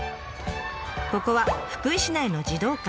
ここは福井市内の児童館。